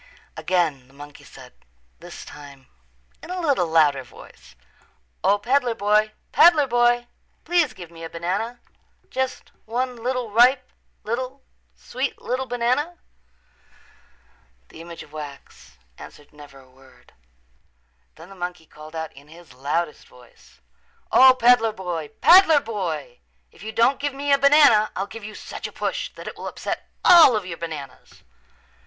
Again the monkey said, this time in a little louder voice, "O, peddler boy, peddler boy, please give me a banana, just one little, ripe little, sweet little banana." The image of wax answered never a word. Then the monkey called out in his loudest voice, "O, peddler boy, peddler boy, if you don't give me a banana I'll give you such a push that it will upset all of your bananas."